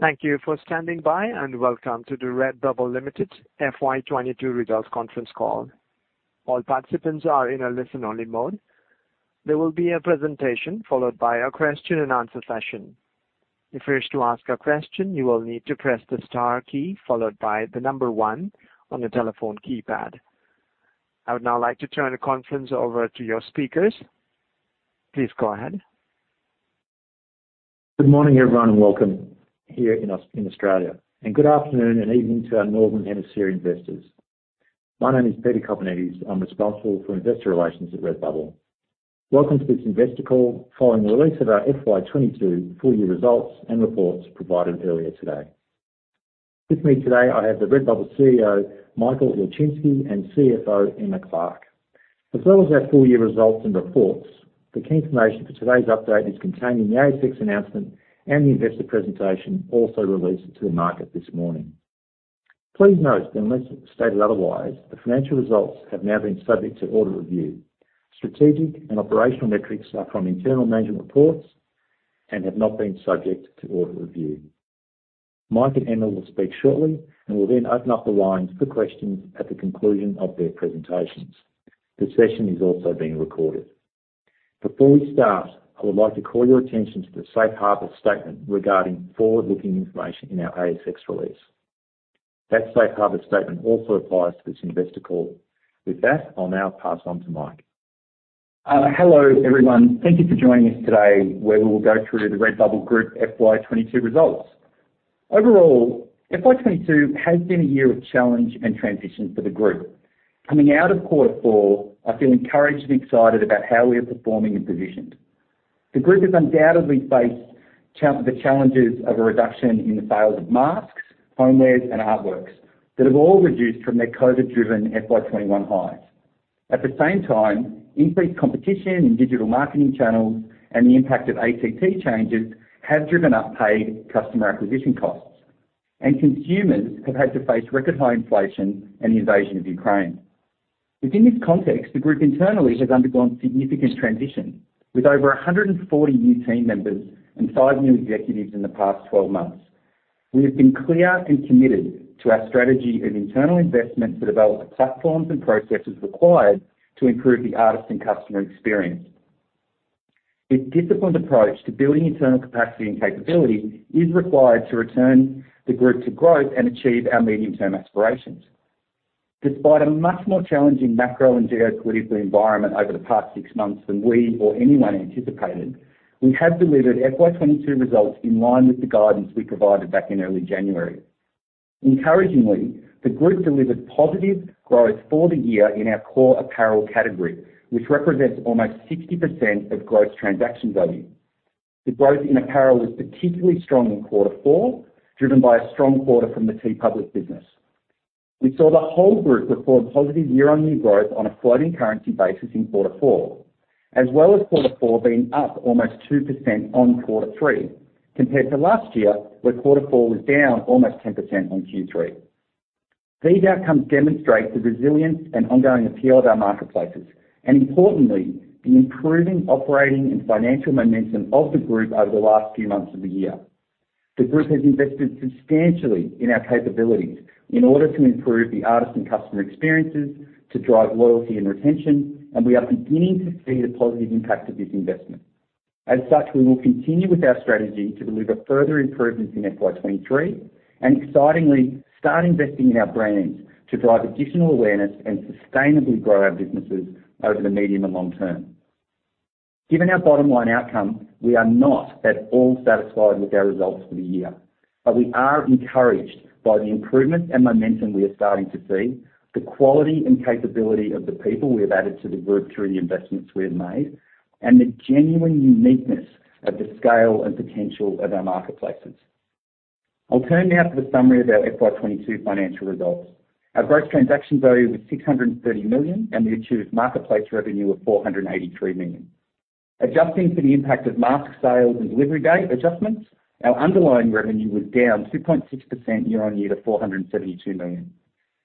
Thank you for standing by, and welcome to the Redbubble Group FY 22 results conference call. All participants are in a listen-only mode. There will be a presentation followed by a question and answer session. If you wish to ask a question, you will need to press the star key followed by the number 1 on the telephone keypad. I would now like to turn the conference over to your speakers. Please go ahead. Good morning, everyone, and welcome here in Australia, and good afternoon and evening to our northern hemisphere investors. My name is Peter Kopanidis. I'm responsible for investor relations at Redbubble. Welcome to this investor call following the release of our FY 2022 full-year results and reports provided earlier today. With me today, I have the Redbubble CEO, Michael Ilczynski, and CFO, Emma Clark. As well as our full-year results and reports, the key information for today's update is contained in the ASX announcement and the investor presentation also released to the market this morning. Please note that unless stated otherwise, the financial results have now been subject to audit review. Strategic and operational metrics are from internal management reports and have not been subject to audit review. Mike and Emma will speak shortly, and we'll then open up the lines for questions at the conclusion of their presentations. This session is also being recorded. Before we start, I would like to call your attention to the safe harbor statement regarding forward-looking information in our ASX release. That safe harbor statement also applies to this investor call. With that, I'll now pass on to Mike. Hello, everyone. Thank you for joining us today, where we will go through the Redbubble Group FY 2022 results. Overall, FY 2022 has been a year of challenge and transition for the group. Coming out of quarter four, I feel encouraged and excited about how we are performing and positioned. The group has undoubtedly faced the challenges of a reduction in the sales of masks, homewares, and artworks that have all reduced from their COVID-driven FY 2021 highs. At the same time, increased competition in digital marketing channels and the impact of ATT changes have driven up paid customer acquisition costs. Consumers have had to face record high inflation and the invasion of Ukraine. Within this context, the group internally has undergone significant transition with over 140 new team members and 5 new executives in the past 12 months. We have been clear and committed to our strategy of internal investment to develop the platforms and processes required to improve the artist and customer experience. A disciplined approach to building internal capacity and capability is required to return the group to growth and achieve our medium-term aspirations. Despite a much more challenging macro and geopolitical environment over the past six months than we or anyone anticipated, we have delivered FY 22 results in line with the guidance we provided back in early January. Encouragingly, the group delivered positive growth for the year in our core apparel category, which represents almost 60% of gross transaction value. The growth in apparel was particularly strong in quarter four, driven by a strong quarter from the TeePublic business. We saw the whole group record positive year-on-year growth on a floating currency basis in quarter four, as well as quarter four being up almost 2% on quarter three compared to last year, where quarter four was down almost 10% on Q3. These outcomes demonstrate the resilience and ongoing appeal of our marketplaces and, importantly, the improving operating and financial momentum of the group over the last few months of the year. The group has invested substantially in our capabilities in order to improve the artist and customer experiences to drive loyalty and retention, and we are beginning to see the positive impact of this investment. As such, we will continue with our strategy to deliver further improvements in FY 2023 and, excitingly, start investing in our brands to drive additional awareness and sustainably grow our businesses over the medium and long term. Given our bottom-line outcome, we are not at all satisfied with our results for the year, but we are encouraged by the improvement and momentum we are starting to see, the quality and capability of the people we have added to the group through the investments we have made, and the genuine uniqueness of the scale and potential of our marketplaces. I'll turn now to the summary of our FY 2022 financial results. Our gross transaction value was 630 million, and we achieved marketplace revenue of 483 million. Adjusting for the impact of mask sales and delivery date adjustments, our underlying revenue was down 2.6% year-on-year to 472 million.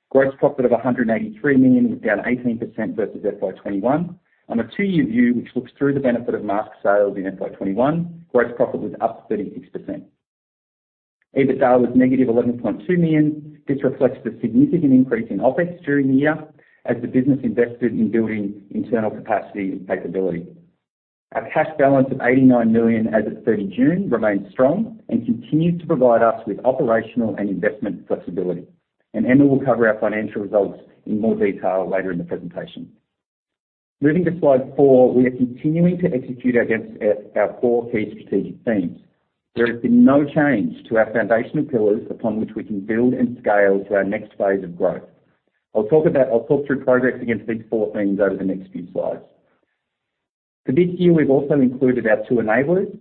Gross profit of 183 million was down 18% versus FY 2021. On a 2-year view, which looks through the benefit of mask sales in FY 2021, gross profit was up 36%. EBITDA was negative 11.2 million, which reflects the significant increase in OpEx during the year as the business invested in building internal capacity and capability. Our cash balance of 89 million as of 30 June remains strong and continues to provide us with operational and investment flexibility. Emma will cover our financial results in more detail later in the presentation. Moving to slide 4. We are continuing to execute against our 4 key strategic themes. There has been no change to our foundational pillars upon which we can build and scale to our next phase of growth. I'll talk through progress against these 4 themes over the next few slides. For this year, we've also included our two enablers,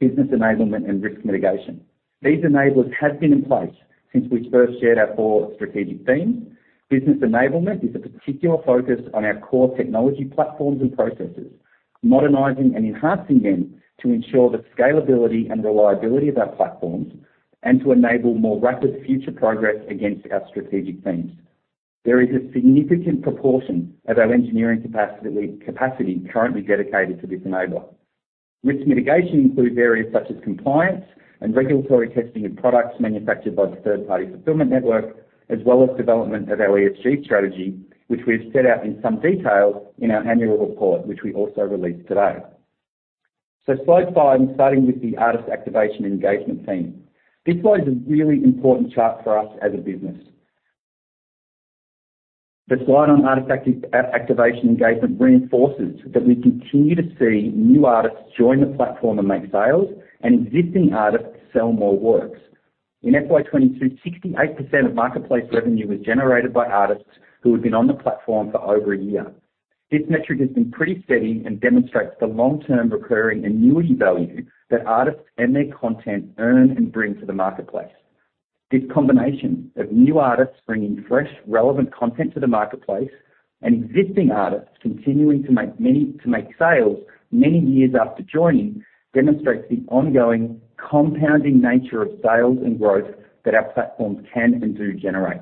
business enablement and risk mitigation. These enablers have been in place since we first shared our four strategic themes. Business enablement is a particular focus on our core technology platforms and processes, modernizing and enhancing them to ensure the scalability and reliability of our platforms and to enable more rapid future progress against our strategic themes. There is a significant proportion of our engineering capacity currently dedicated to this enablement. Risk mitigation includes areas such as compliance and regulatory testing of products manufactured by the third party fulfillment network, as well as development of our ESG strategy, which we have set out in some detail in our annual report, which we also released today. Slide five, starting with the artist activation engagement team. This slide is a really important chart for us as a business. The slide on artist activation engagement reinforces that we continue to see new artists join the platform and make sales, and existing artists sell more works. In FY 2022, 68% of marketplace revenue was generated by artists who had been on the platform for over a year. This metric has been pretty steady and demonstrates the long-term recurring annuity value that artists and their content earn and bring to the marketplace. This combination of new artists bringing fresh, relevant content to the marketplace and existing artists continuing to make sales many years after joining, demonstrates the ongoing compounding nature of sales and growth that our platforms can and do generate.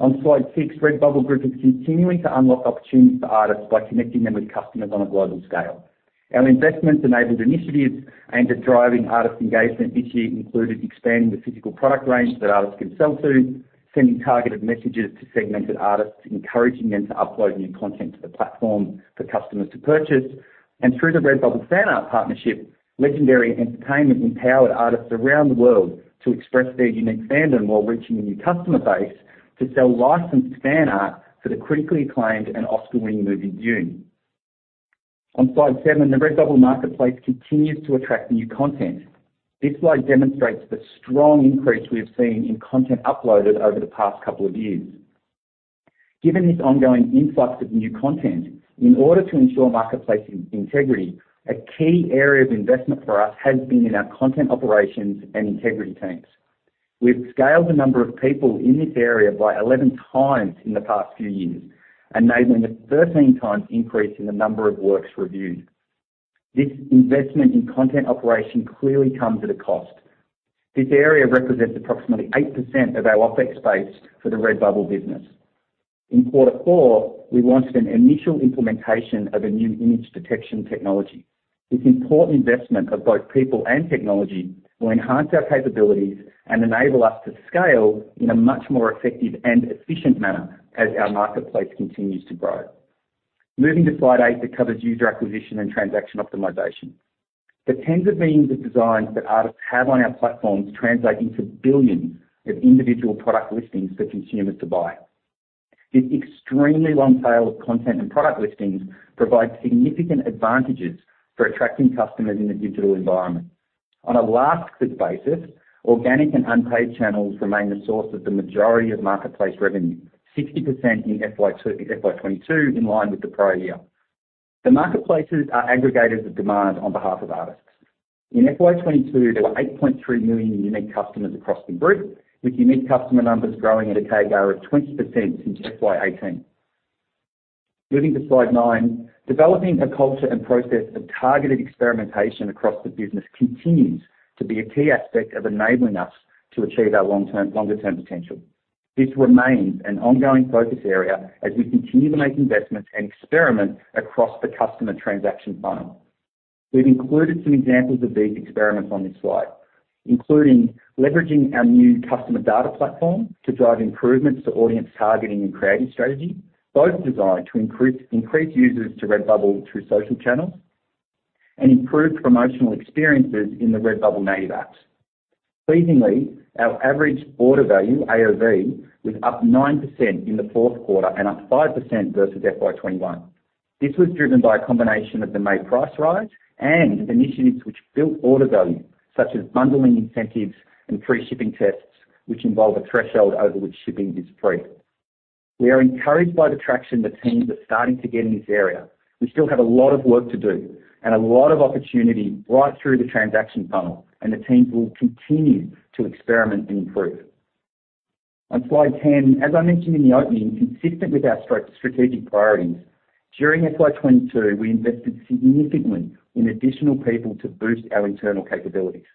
On slide 6, Redbubble Group is continuing to unlock opportunities for artists by connecting them with customers on a global scale. Our investments enabled initiatives aimed at driving artist engagement this year included expanding the physical product range that artists can sell to, sending targeted messages to segmented artists, encouraging them to upload new content to the platform for customers to purchase. Through the Redbubble fan art partnership, Legendary Entertainment empowered artists around the world to express their unique fandom while reaching a new customer base to sell licensed fan art for the critically acclaimed and Oscar-winning movie, Dune. On slide seven, the Redbubble marketplace continues to attract new content. This slide demonstrates the strong increase we have seen in content uploaded over the past couple of years. Given this ongoing influx of new content, in order to ensure marketplace integrity, a key area of investment for us has been in our content operations and integrity teams. We've scaled the number of people in this area by 11 times in the past few years, enabling a 13 times increase in the number of works reviewed. This investment in content operation clearly comes at a cost. This area represents approximately 8% of our OpEx base for the Redbubble business. In quarter four, we launched an initial implementation of a new image detection technology. This important investment of both people and technology will enhance our capabilities and enable us to scale in a much more effective and efficient manner as our marketplace continues to grow. Moving to slide 8 that covers user acquisition and transaction optimization. The tens of millions of designs that artists have on our platforms translate into billions of individual product listings for consumers to buy. This extremely long tail of content and product listings provides significant advantages for attracting customers in the digital environment. On a LTM basis, organic and unpaid channels remain the source of the majority of marketplace revenue, 60% in FY 2022, in line with the prior year. The marketplaces are aggregators of demand on behalf of artists. In FY 2022, there were 8.3 million unique customers across the group, with unique customer numbers growing at a CAGR of 20% since FY 2018. Moving to slide nine, developing a culture and process of targeted experimentation across the business continues to be a key aspect of enabling us to achieve our longer-term potential. This remains an ongoing focus area as we continue to make investments and experiment across the customer transaction funnel. We've included some examples of these experiments on this slide, including leveraging our new customer data platform to drive improvements to audience targeting and creative strategy, both designed to increase users to Redbubble through social channels and improve promotional experiences in the Redbubble native apps. Pleasingly, our average order value, AOV, was up 9% in the fourth quarter and up 5% versus FY 2021. This was driven by a combination of the May price rise and initiatives which built order value, such as bundling incentives and free shipping tests, which involve a threshold over which shipping is free. We are encouraged by the traction the teams are starting to get in this area. We still have a lot of work to do and a lot of opportunity right through the transaction funnel, and the teams will continue to experiment and improve. On slide 10, as I mentioned in the opening, consistent with our strategic priorities, during FY 2022, we invested significantly in additional people to boost our internal capabilities.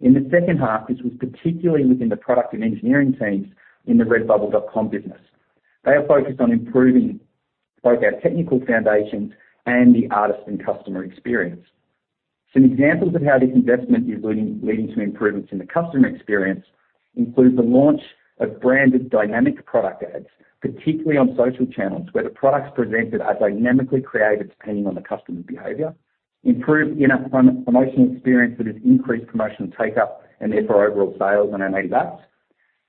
In the second half, this was particularly within the product and engineering teams in the Redbubble.com business. They are focused on improving both our technical foundation and the artist and customer experience. Some examples of how this investment is leading to improvements in the customer experience include the launch of branded dynamic product ads, particularly on social channels where the products presented are dynamically created depending on the customer's behavior, improved in-app promotional experience that has increased promotional take-up and therefore overall sales on our native apps,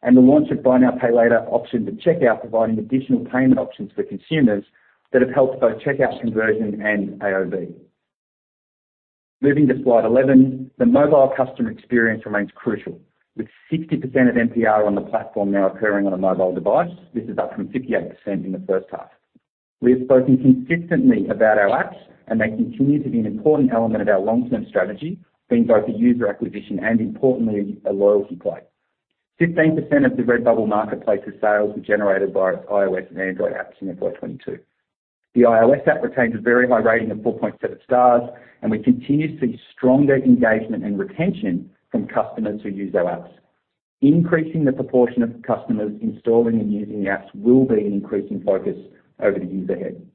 and the launch of buy now, pay later option to checkout, providing additional payment options for consumers that have helped both checkout conversion and AOV. Moving to slide 11, the mobile customer experience remains crucial, with 60% of MPR on the platform now occurring on a mobile device. This is up from 58% in the first half. We have spoken consistently about our apps, and they continue to be an important element of our long-term strategy, being both a user acquisition and importantly, a loyalty play. 15% of the Redbubble marketplace's sales were generated by its iOS and Android apps in FY 2022. The iOS app retains a very high rating of 4.7 stars, and we continue to see stronger engagement and retention from customers who use our apps. Increasing the proportion of customers installing and using the apps will be an increasing focus over the years ahead.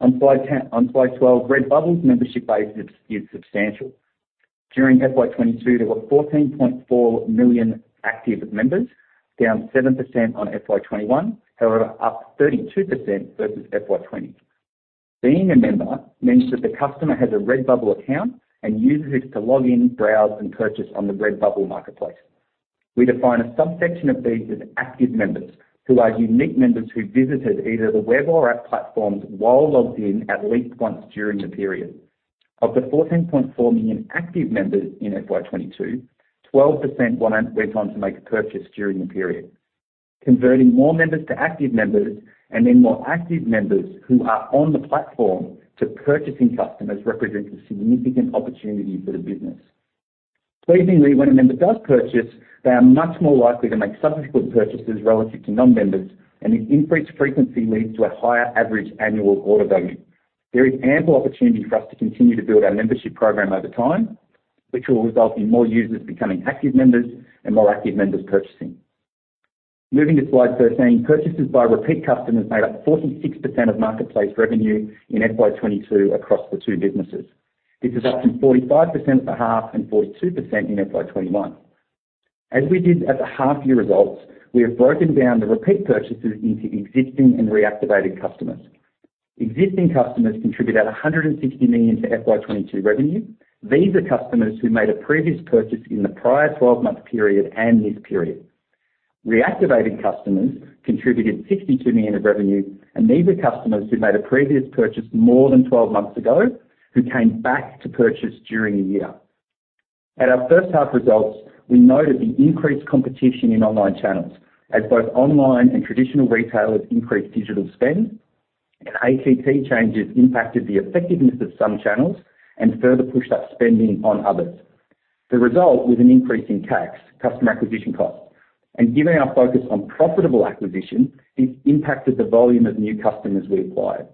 On slide 12, Redbubble's membership base is substantial. During FY 2022, there were 14.4 million active members, down 7% on FY 2021. However, up 32% versus FY 2020. Being a member means that the customer has a Redbubble account and uses it to log in, browse, and purchase on the Redbubble Marketplace. We define a subsection of these as active members, who are unique members who visited either the web or app platforms while logged in at least once during the period. Of the 14.4 million active members in FY 2022, 12% went on to make a purchase during the period. Converting more members to active members, and then more active members who are on the platform to purchasing customers represents a significant opportunity for the business. Pleasingly, when a member does purchase, they are much more likely to make subsequent purchases relative to non-members, and this increased frequency leads to a higher average annual order value. There is ample opportunity for us to continue to build our membership program over time, which will result in more users becoming active members and more active members purchasing. Moving to slide 13. Purchases by repeat customers made up 46% of marketplace revenue in FY 2022 across the two businesses. This is up from 45% for half and 42% in FY 2021. As we did at the half-year results, we have broken down the repeat purchases into existing and reactivated customers. Existing customers contributed 160 million to FY 2022 revenue. These are customers who made a previous purchase in the prior twelve-month period and this period. Reactivated customers contributed 62 million of revenue, and these are customers who made a previous purchase more than 12 months ago who came back to purchase during the year. At our first half results, we noted the increased competition in online channels as both online and traditional retailers increased digital spend, and ATT changes impacted the effectiveness of some channels and further pushed up spending on others. The result was an increase in CAC, customer acquisition cost. Given our focus on profitable acquisition, this impacted the volume of new customers we acquired.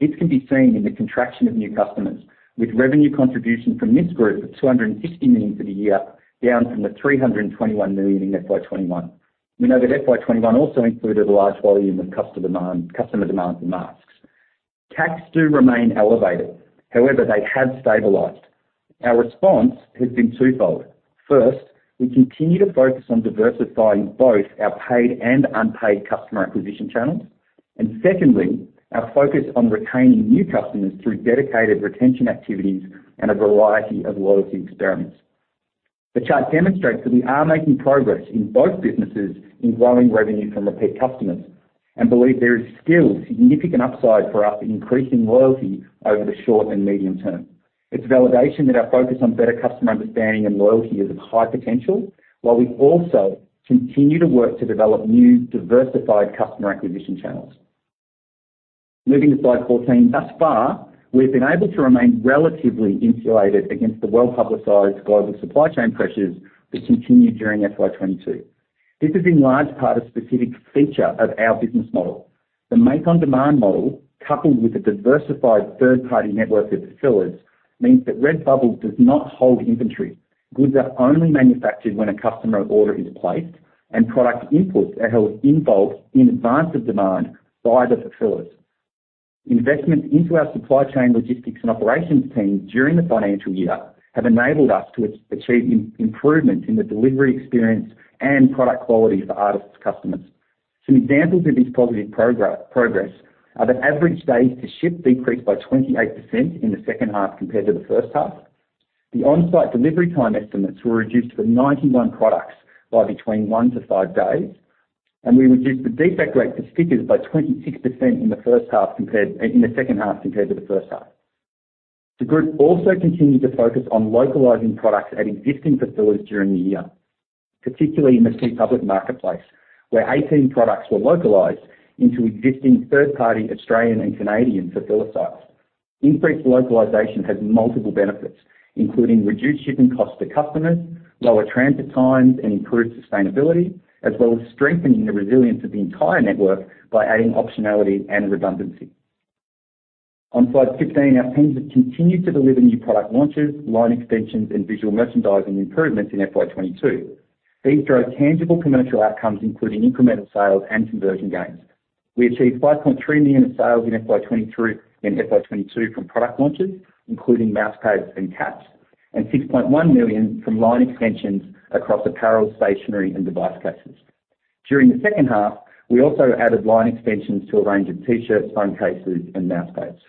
This can be seen in the contraction of new customers with revenue contribution from this group of 250 million for the year, down from the 321 million in FY 2021. We know that FY 2021 also included a large volume of customer demand for masks. CACs do remain elevated, however, they have stabilized. Our response has been twofold. First, we continue to focus on diversifying both our paid and unpaid customer acquisition channels, and secondly, our focus on retaining new customers through dedicated retention activities and a variety of loyalty experiments. The chart demonstrates that we are making progress in both businesses in growing revenue from repeat customers and believe there is still significant upside for us in increasing loyalty over the short and medium term. It's a validation that our focus on better customer understanding and loyalty is of high potential, while we also continue to work to develop new diversified customer acquisition channels. Moving to slide 14. Thus far, we've been able to remain relatively insulated against the well-publicized global supply chain pressures that continued during FY 2022. This has been in large part a specific feature of our business model. The make-on-demand model, coupled with the diversified third-party network of fulfillers, means that Redbubble does not hold inventory. Goods are only manufactured when a customer order is placed, and product inputs are held in bulk in advance of demand by the fulfillers. Investment into our supply chain logistics and operations team during the financial year have enabled us to achieve improvements in the delivery experience and product quality for artists' customers. Some examples of this positive progress are the average days to ship decreased by 28% in the second half compared to the first half. The on-site delivery time estimates were reduced for 91 products by between 1-5 days, and we reduced the defect rate for stickers by 26% in the second half compared to the first half. The group also continued to focus on localizing products at existing fulfillers during the year, particularly in the TeePublic marketplace, where 18 products were localized into existing third-party Australian and Canadian fulfiller sites. Increased localization has multiple benefits, including reduced shipping costs to customers, lower transit times, and improved sustainability, as well as strengthening the resilience of the entire network by adding optionality and redundancy. On slide 15, our teams have continued to deliver new product launches, line extensions, and visual merchandising improvements in FY 22. These drove tangible commercial outcomes, including incremental sales and conversion gains. We achieved 5.3 million in sales in FY 22 from product launches, including mouse pads and caps, and 6.1 million from line extensions across apparel, stationery, and device cases. During the second half, we also added line extensions to a range of T-shirts, phone cases, and mouse pads.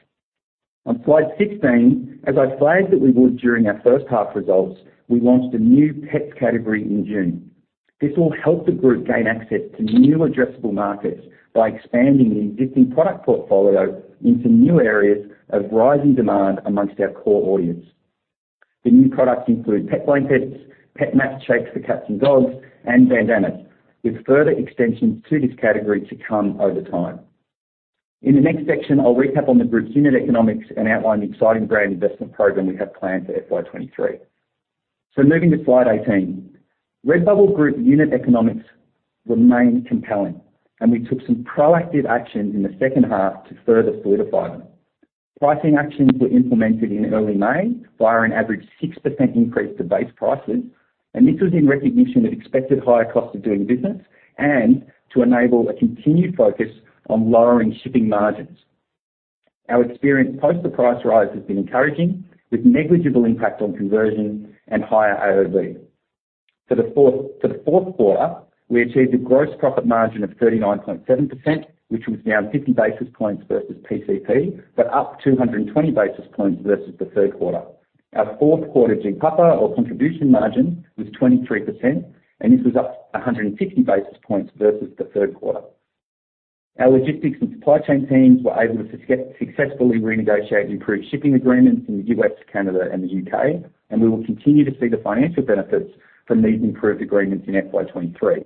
On slide 16, as I flagged that we would during our first half results, we launched a new pets category in June. This will help the group gain access to new addressable markets by expanding the existing product portfolio into new areas of rising demand among our core audience. The new products include pet blankets, pet mats for cats and dogs, and bandanas, with further extensions to this category to come over time. In the next section, I'll recap on the group's unit economics and outline the exciting brand investment program we have planned for FY 2023. Moving to slide 18. Redbubble Group unit economics remain compelling, and we took some proactive action in the second half to further solidify them. Pricing actions were implemented in early May via an average 6% increase to base prices, and this was in recognition of expected higher costs of doing business and to enable a continued focus on lowering shipping margins. Our experience post the price rise has been encouraging, with negligible impact on conversion and higher AOV. For the fourth quarter, we achieved a gross profit margin of 39.7%, which was down 50 basis points versus PCP, but up 220 basis points versus the third quarter. Our fourth quarter GPAPA or contribution margin was 23%, and this was up 150 basis points versus the third quarter. Our logistics and supply chain teams were able to successfully renegotiate improved shipping agreements in the U.S., Canada, and the U.K., and we will continue to see the financial benefits from these improved agreements in FY 2023.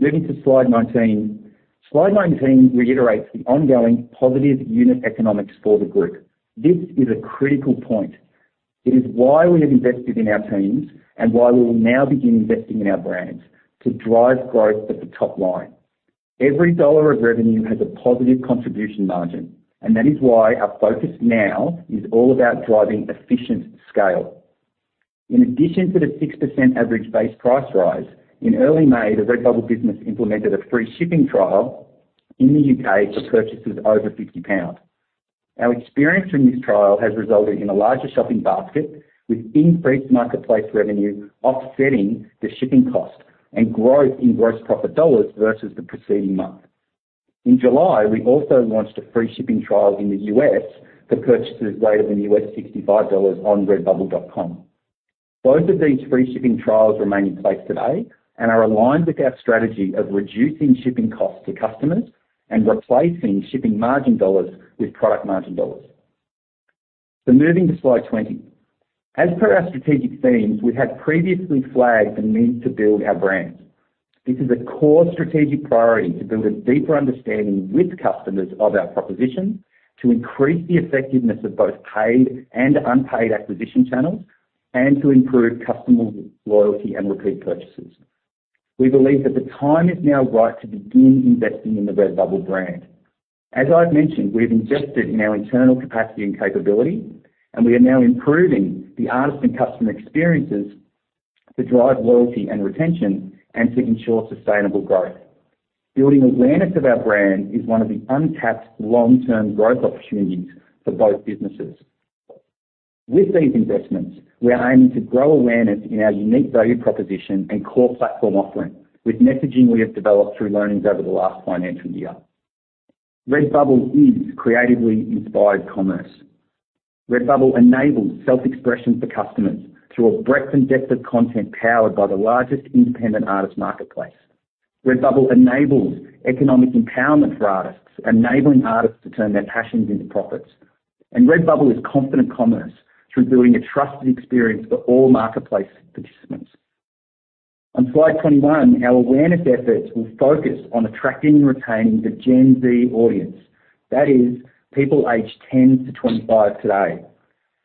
Moving to slide 19. Slide 19 reiterates the ongoing positive unit economics for the group. This is a critical point. It is why we have invested in our teams and why we will now begin investing in our brands to drive growth at the top line. Every dollar of revenue has a positive contribution margin, and that is why our focus now is all about driving efficient scale. In addition to the 6% average base price rise, in early May, the Redbubble business implemented a free shipping trial in the U.K. for purchases over 50 pounds. Our experience from this trial has resulted in a larger shopping basket with increased marketplace revenue offsetting the shipping cost and growth in gross profit dollars versus the preceding month. In July, we also launched a free shipping trial in the U.S. for purchases greater than $65 on Redbubble.com. Both of these free shipping trials remain in place today and are aligned with our strategy of reducing shipping costs to customers and replacing shipping margin dollars with product margin dollars. Moving to slide 20. As per our strategic themes, we have previously flagged the need to build our brands. This is a core strategic priority to build a deeper understanding with customers of our proposition, to increase the effectiveness of both paid and unpaid acquisition channels, and to improve customer loyalty and repeat purchases. We believe that the time is now right to begin investing in the Redbubble brand. As I've mentioned, we've invested in our internal capacity and capability, and we are now improving the artist and customer experiences to drive loyalty and retention and to ensure sustainable growth. Building awareness of our brand is one of the untapped long-term growth opportunities for both businesses. With these investments, we are aiming to grow awareness in our unique value proposition and core platform offering with messaging we have developed through learnings over the last financial year. Redbubble is creatively inspired commerce. Redbubble enables self-expression for customers through a breadth and depth of content powered by the largest independent artist marketplace. Redbubble enables economic empowerment for artists, enabling artists to turn their passions into profits. Redbubble is confident commerce through building a trusted experience for all marketplace participants. On slide 21, our awareness efforts will focus on attracting and retaining the Gen Z audience. That is, people aged 10 to 25 today.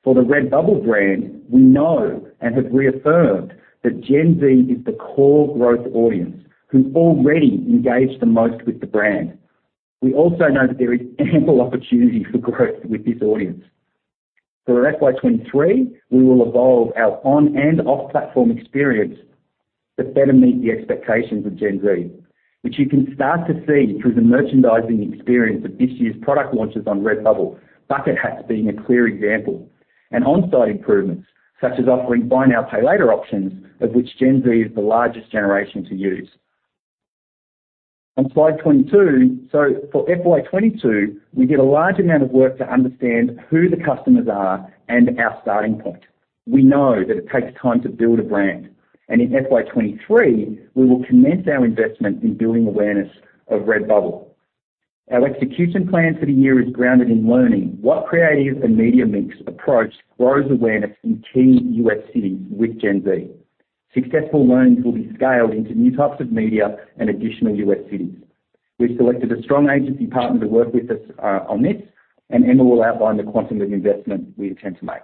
For the Redbubble brand, we know and have reaffirmed that Gen Z is the core growth audience who already engage the most with the brand. We also know that there is ample opportunity for growth with this audience. For FY 2023, we will evolve our on and off platform experience to better meet the expectations of Gen Z, which you can start to see through the merchandising experience of this year's product launches on Redbubble, bucket hats being a clear example, and on-site improvements, such as offering buy now, pay later options, of which Gen Z is the largest generation to use. On slide 22, for FY 2022, we did a large amount of work to understand who the customers are and our starting point. We know that it takes time to build a brand, and in FY 2023, we will commence our investment in building awareness of Redbubble. Our execution plan for the year is grounded in learning what creative and media mix approach grows awareness in key US cities with Gen Z. Successful learnings will be scaled into new types of media and additional US cities. We've selected a strong agency partner to work with us on this, and Emma will outline the quantum of investment we intend to make.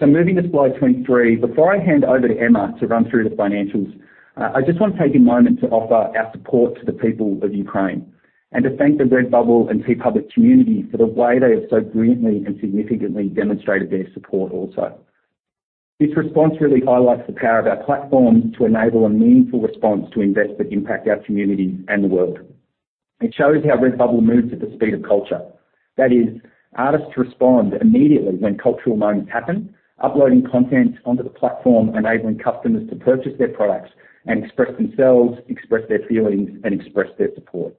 Moving to slide 23, before I hand over to Emma to run through the financials, I just want to take a moment to offer our support to the people of Ukraine and to thank the Redbubble and TeePublic community for the way they have so brilliantly and significantly demonstrated their support also. This response really highlights the power of our platform to enable a meaningful response to events that impact our community and the world. It shows how Redbubble moves at the speed of culture. That is, artists respond immediately when cultural moments happen, uploading content onto the platform, enabling customers to purchase their products and express themselves, express their feelings, and express their support.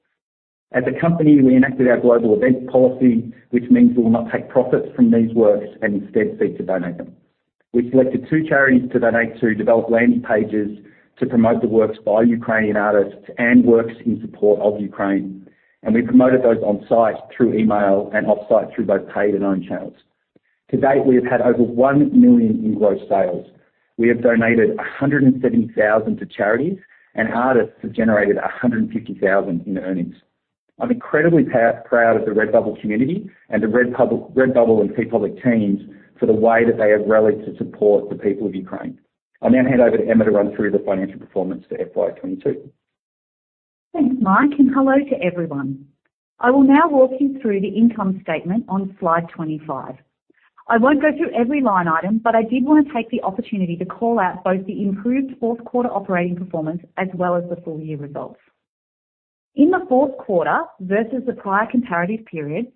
As a company, we enacted our global event policy, which means we will not take profits from these works and instead seek to donate them. We selected two charities to donate to, developed landing pages to promote the works by Ukrainian artists and works in support of Ukraine, and we promoted those on-site through email and off-site through both paid and owned channels. To date, we have had over 1 million in gross sales. We have donated 170 thousand to charities, and artists have generated 150 thousand in earnings. I'm incredibly proud of the Redbubble community and the Redbubble and TeePublic teams for the way that they have rallied to support the people of Ukraine. I'll now hand over to Emma to run through the financial performance for FY 2022. Thanks, Mike, and hello to everyone. I will now walk you through the income statement on slide 25. I won't go through every line item, but I did wanna take the opportunity to call out both the improved fourth quarter operating performance as well as the full year results. In the fourth quarter versus the prior comparative period,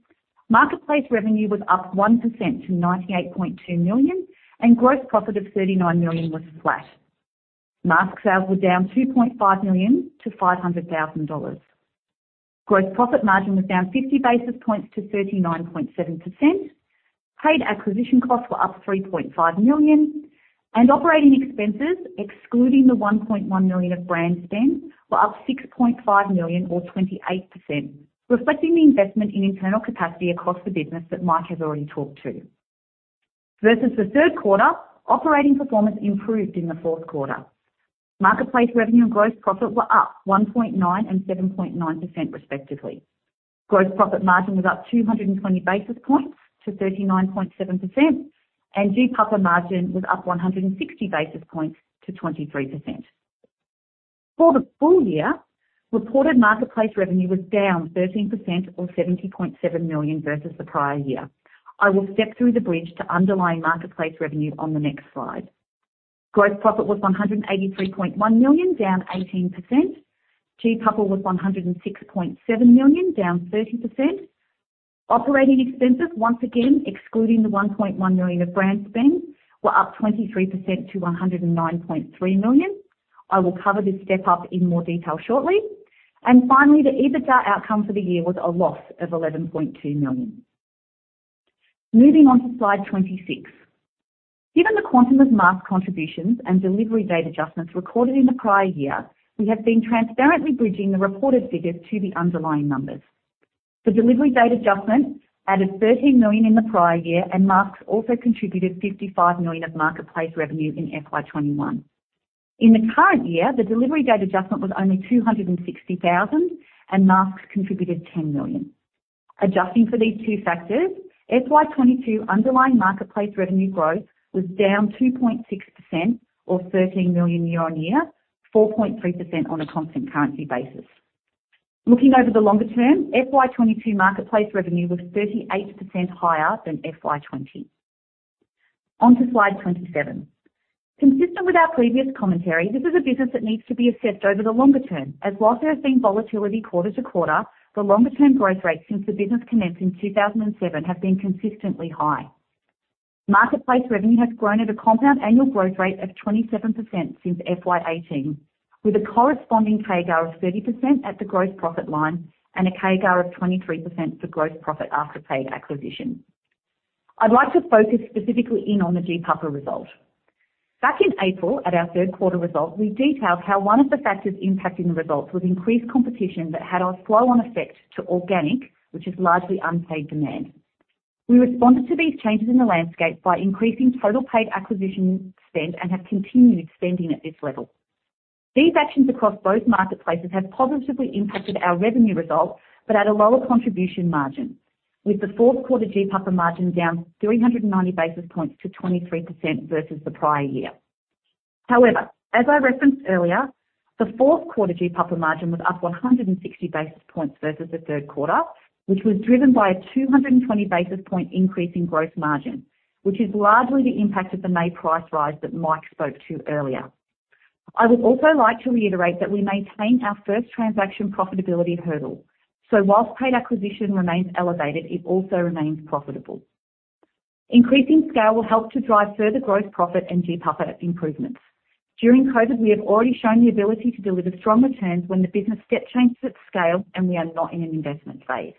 marketplace revenue was up 1% to 98.2 million, and gross profit of 39 million was flat. Mask sales were down 2.5 million to 500,000 dollars. Gross profit margin was down 50 basis points to 39.7%. Paid acquisition costs were up 3.5 million. Operating expenses, excluding the 1.1 million of brand spend, were up 6.5 million or 28%, reflecting the investment in internal capacity across the business that Mike has already talked to. Versus the third quarter, operating performance improved in the fourth quarter. Marketplace revenue and gross profit were up 1.9% and 7.9% respectively. Gross profit margin was up 200 basis points to 39.7%, and GPAPA margin was up 160 basis points to 23%. For the full year, reported marketplace revenue was down 13% or 70.7 million versus the prior year. I will step through the bridge to underlying marketplace revenue on the next slide. Gross profit was 183.1 million, down 18%. GPAPA was 106.7 million, down 30%. Operating expenses, once again, excluding the 1.1 million of brand spend, were up 23% to 109.3 million. I will cover this step up in more detail shortly. Finally, the EBITDA outcome for the year was a loss of 11.2 million. Moving on to slide 26. Given the quantum of mask contributions and delivery date adjustments recorded in the prior year, we have been transparently bridging the reported figures to the underlying numbers. The delivery date adjustment added AUD 13 million in the prior year, and masks also contributed AUD 55 million of marketplace revenue in FY 2021. In the current year, the delivery date adjustment was only 260,000, and masks contributed 10 million. Adjusting for these two factors, FY 2022 underlying marketplace revenue growth was down 2.6% or 13 million year on year, 4.3% on a constant currency basis. Looking over the longer term, FY 2022 marketplace revenue was 38% higher than FY 2020. On to slide 27. Consistent with our previous commentary, this is a business that needs to be assessed over the longer term, as while there has been volatility quarter to quarter, the longer term growth rates since the business commenced in 2007 have been consistently high. Marketplace revenue has grown at a compound annual growth rate of 27% since FY 18, with a corresponding CAGR of 30% at the gross profit line and a CAGR of 23% for gross profit after paid acquisition. I'd like to focus specifically in on the GPAPA result. Back in April, at our third quarter results, we detailed how one of the factors impacting the results was increased competition that had a flow on effect to organic, which is largely unpaid demand. We responded to these changes in the landscape by increasing total paid acquisition spend and have continued spending at this level. These actions across both marketplaces have positively impacted our revenue results, but at a lower contribution margin. With the fourth quarter GPAPA margin down 390 basis points to 23% versus the prior year. However, as I referenced earlier, the fourth quarter GPAPA margin was up 160 basis points versus the third quarter, which was driven by a 220 basis points increase in gross margin, which is largely the impact of the May price rise that Mike spoke to earlier. I would also like to reiterate that we maintain our first transaction profitability hurdle, so while paid acquisition remains elevated, it also remains profitable. Increasing scale will help to drive further growth profit and GPAPA improvements. During COVID, we have already shown the ability to deliver strong returns when the business step changes at scale, and we are not in an investment phase.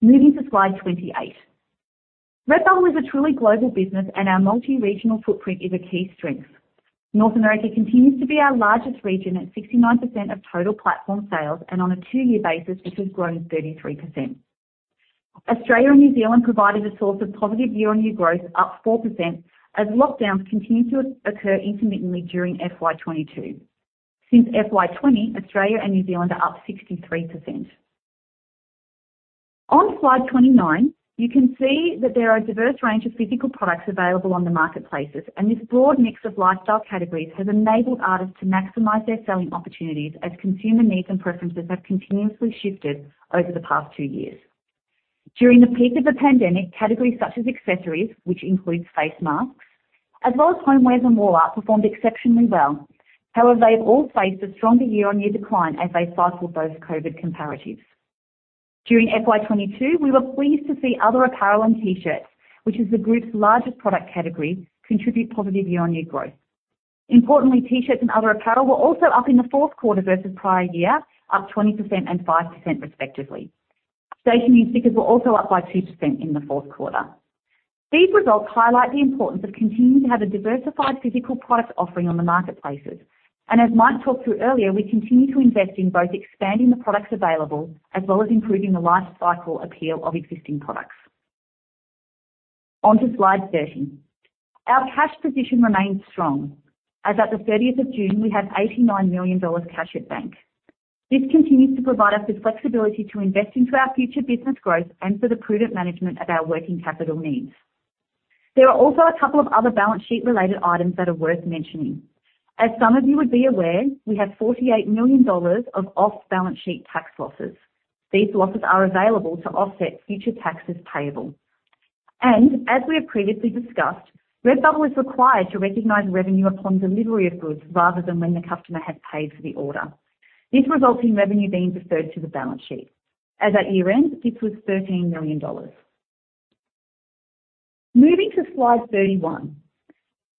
Moving to slide 28. Redbubble is a truly global business, and our multi-regional footprint is a key strength. North America continues to be our largest region at 69% of total platform sales, and on a two-year basis, this has grown 33%. Australia and New Zealand provided a source of positive year-on-year growth, up 4%, as lockdowns continued to occur intermittently during FY 2022. Since FY 2020, Australia and New Zealand are up 63%. On slide 29, you can see that there are a diverse range of physical products available on the marketplaces, and this broad mix of lifestyle categories has enabled artists to maximize their selling opportunities as consumer needs and preferences have continuously shifted over the past 2 years. During the peak of the pandemic, categories such as accessories, which includes face masks, as well as homewares and wall art, performed exceptionally well. However, they have all faced a stronger year-on-year decline as they cycle those COVID comparatives. During FY 22, we were pleased to see other apparel and T-shirts, which is the group's largest product category, contribute positive year-on-year growth. Importantly, T-shirts and other apparel were also up in the fourth quarter versus prior year, up 20% and 5% respectively. Stationery and stickers were also up by 2% in the fourth quarter. These results highlight the importance of continuing to have a diversified physical product offering on the marketplaces. As Mike talked through earlier, we continue to invest in both expanding the products available as well as improving the life cycle appeal of existing products. On to slide 30. Our cash position remains strong. As at the 30th of June, we have 89 million dollars cash at bank. This continues to provide us with flexibility to invest into our future business growth and for the prudent management of our working capital needs. There are also a couple of other balance sheet-related items that are worth mentioning. As some of you would be aware, we have 48 million dollars of off-balance-sheet tax losses. These losses are available to offset future taxes payable. As we have previously discussed, Redbubble is required to recognize revenue upon delivery of goods rather than when the customer has paid for the order. This results in revenue being deferred to the balance sheet. As at year-end, this was 13 million dollars. Moving to slide 31.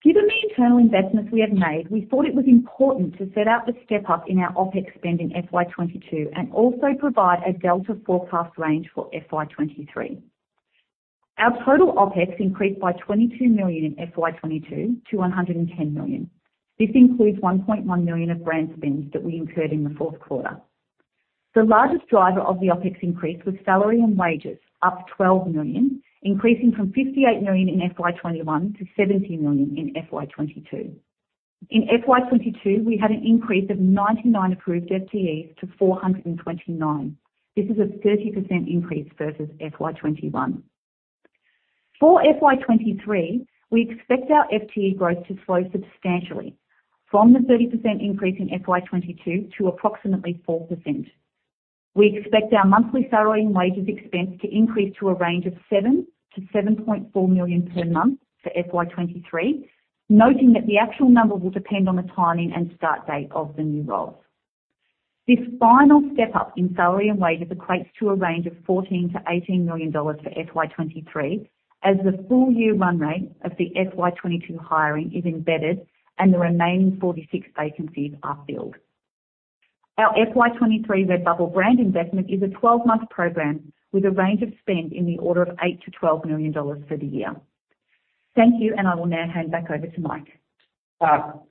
Given the internal investments we have made, we thought it was important to set out the step-up in our OpEx spend in FY 2022 and also provide a delta forecast range for FY 2023. Our total OpEx increased by 22 million in FY 2022 to 110 million. This includes 1.1 million of brand spends that we incurred in the fourth quarter. The largest driver of the OpEx increase was salary and wages, up 12 million, increasing from 58 million in FY 2021 to 70 million in FY 2022. In FY 2022, we had an increase of 99 approved FTEs to 429. This is a 30% increase versus FY 2021. For FY 2023, we expect our FTE growth to slow substantially from the 30% increase in FY 2022 to approximately 4%. We expect our monthly salary and wages expense to increase to a range of 7-7.4 million per month for FY 2023, noting that the actual number will depend on the timing and start date of the new roles. This final step-up in salary and wages equates to a range of 14-18 million dollars for FY 2023 as the full-year run rate of the FY 2022 hiring is embedded and the remaining 46 vacancies are filled. Our FY 2023 Redbubble brand investment is a 12-month program with a range of spend in the order of 8 million-12 million dollars for the year. Thank you, and I will now hand back over to Mike.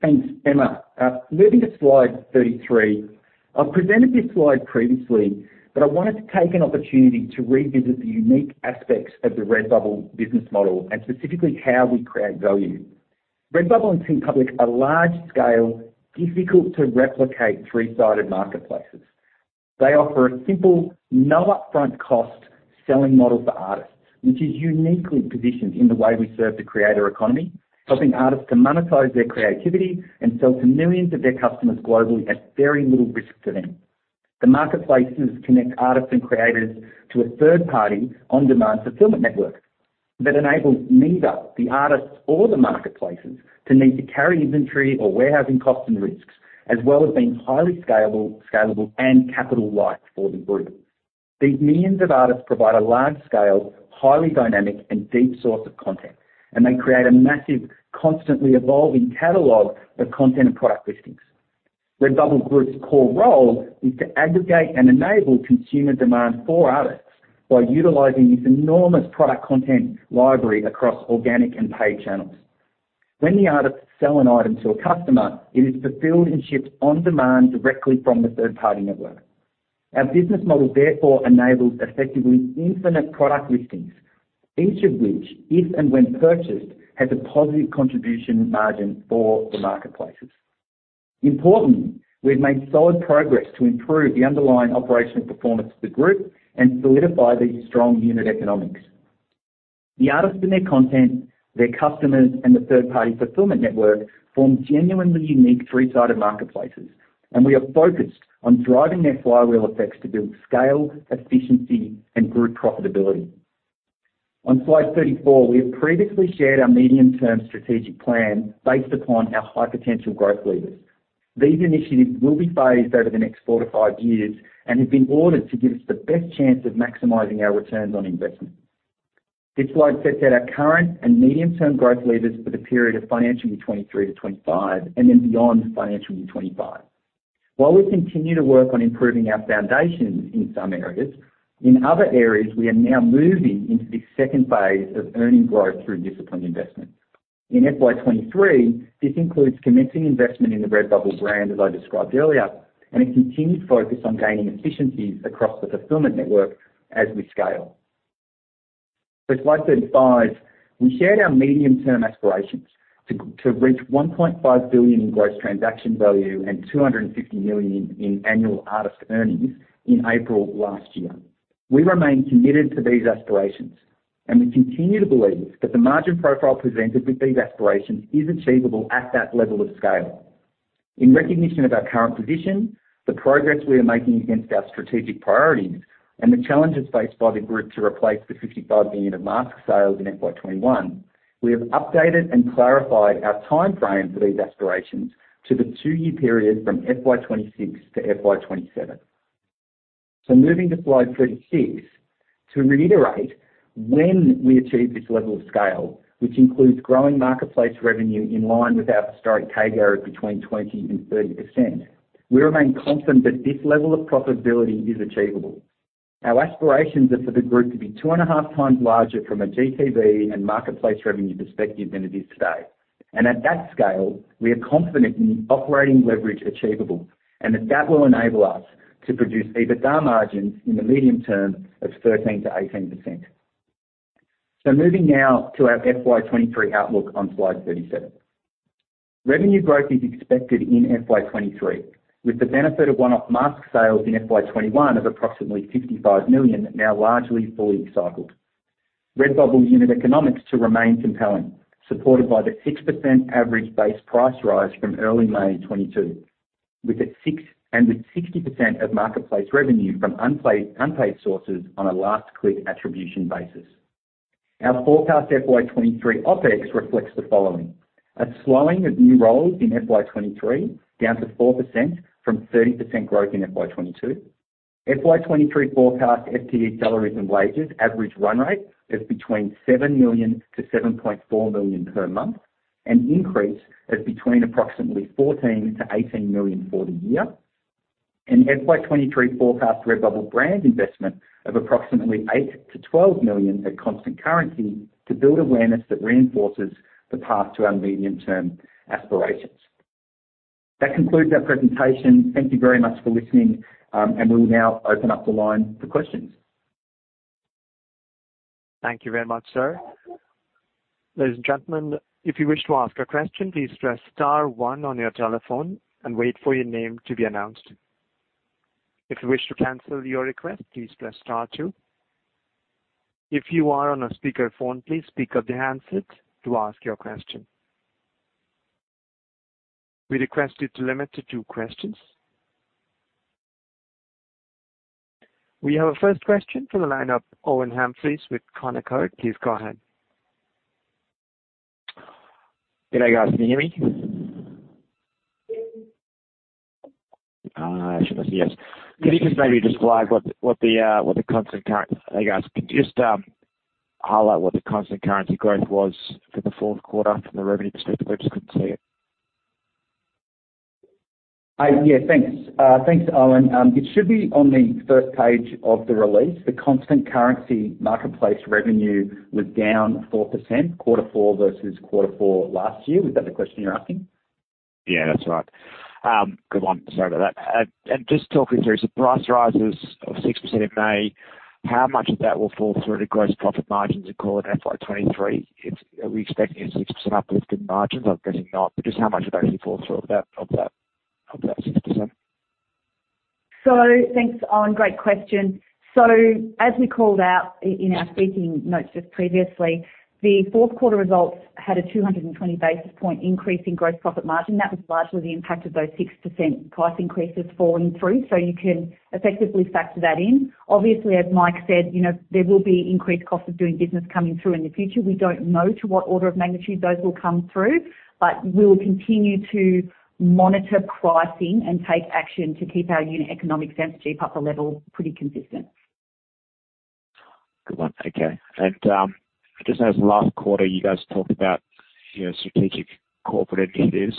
Thanks, Emma. Moving to slide 33. I've presented this slide previously, but I wanted to take an opportunity to revisit the unique aspects of the Redbubble business model and specifically how we create value. Redbubble and TeePublic are large-scale, difficult-to-replicate three-sided marketplaces. They offer a simple, no-upfront-cost selling model for artists, which is uniquely positioned in the way we serve the creator economy, helping artists to monetize their creativity and sell to millions of their customers globally at very little risk to them. The marketplaces connect artists and creators to a third-party on-demand fulfillment network that enables neither the artists or the marketplaces to need to carry inventory or warehousing costs and risks, as well as being highly scalable and capital light for the group. These millions of artists provide a large-scale, highly dynamic, and deep source of content, and they create a massive, constantly evolving catalog of content and product listings. Redbubble Group's core role is to aggregate and enable consumer demand for artists by utilizing this enormous product content library across organic and paid channels. When the artists sell an item to a customer, it is fulfilled and shipped on-demand directly from the third-party network. Our business model therefore enables effectively infinite product listings, each of which, if and when purchased, has a positive contribution margin for the marketplaces. Importantly, we've made solid progress to improve the underlying operational performance of the group and solidify these strong unit economics. The artists and their content, their customers, and the third-party fulfillment network form genuinely unique three-sided marketplaces, and we are focused on driving their flywheel effects to build scale, efficiency, and group profitability. On slide 34, we have previously shared our medium-term strategic plan based upon our high-potential growth levers. These initiatives will be phased over the next 4-5 years and have been ordered to give us the best chance of maximizing our returns on investment. This slide sets out our current and medium-term growth levers for the period of financial year 2023-2025 and then beyond financial year 2025. While we continue to work on improving our foundations in some areas, in other areas, we are now moving into the second phase of earning growth through disciplined investment. In FY 2023, this includes commencing investment in the Redbubble brand, as I described earlier, and a continued focus on gaining efficiencies across the fulfillment network as we scale. Slide 35, we shared our medium-term aspirations to reach 1.5 billion in gross transaction value and 250 million in annual artist earnings in April last year. We remain committed to these aspirations, and we continue to believe that the margin profile presented with these aspirations is achievable at that level of scale. In recognition of our current position, the progress we are making against our strategic priorities, and the challenges faced by the Group to replace the 55 million of mask sales in FY 2021, we have updated and clarified our timeframe for these aspirations to the two-year period from FY 2026 to FY 2027. Moving to slide 36. To reiterate, when we achieve this level of scale, which includes growing marketplace revenue in line with our historic CAGR between 20% and 30%, we remain confident that this level of profitability is achievable. Our aspirations are for the group to be two and a half times larger from a GTV and marketplace revenue perspective than it is today. At that scale, we are confident in the operating leverage achievable and that will enable us to produce EBITDA margins in the medium term of 13%-18%. Moving now to our FY 2023 outlook on slide 37. Revenue growth is expected in FY 2023, with the benefit of one-off mask sales in FY 2021 of approximately 55 million now largely fully cycled. Redbubble unit economics to remain compelling, supported by the 6% average base price rise from early May 2022, with 60% of marketplace revenue from unpaid sources on a last click attribution basis. Our forecast FY 2023 OpEx reflects the following. A slowing of new roles in FY 2023 down to 4% from 30% growth in FY 2022. FY 2023 forecast FTE salaries and wages average run rate is between 7 million-7.4 million per month, an increase of between approximately 14 million-18 million for the year. FY 2023 forecast Redbubble brand investment of approximately 8-12 million at constant currency to build awareness that reinforces the path to our medium term aspirations. That concludes our presentation. Thank you very much for listening, and we'll now open up the line for questions. Thank you very much, sir. Ladies and gentlemen, if you wish to ask a question, please press star one on your telephone and wait for your name to be announced. If you wish to cancel your request, please press star two. If you are on a speaker phone, please pick up the handset to ask your question. We request you to limit to two questions. We have our first question from the line of Owen Humphries with Canaccord Genuity. Please go ahead. G'day, guys. Can you hear me? Yes. Can you just maybe highlight what the constant currency growth was for the fourth quarter from a revenue perspective? I just couldn't see it. Yeah, thanks. Thanks, Owen. It should be on the first page of the release. The constant currency marketplace revenue was down 4% quarter four versus quarter four last year. Was that the question you're asking? Yeah, that's right. Good one. Sorry about that. Just talking through, so price rises of 6% in May, how much of that will fall through to gross profit margins you call it FY 2023? Are we expecting a 6% uplift in margins? I'm guessing not, but just how much of that actually falls through of that 6%? Thanks, Owen. Great question. As we called out in our speaking notes just previously, the fourth quarter results had a 220 basis point increase in gross profit margin. That was largely the impact of those 6% price increases falling through. You can effectively factor that in. Obviously, as Mike said, you know, there will be increased cost of doing business coming through in the future. We don't know to what order of magnitude those will come through, but we'll continue to monitor pricing and take action to keep our unit economics and GPAPA level pretty consistent. Good one. Okay. I just noticed last quarter you guys talked about, you know, strategic corporate initiatives